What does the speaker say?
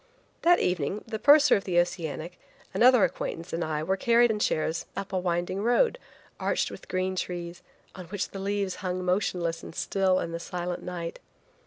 That evening the purser of the Oceanic, another acquaintance and I were carried in chairs up a winding road, arched with green trees, on which the leaves hung motionless and still in the silent night.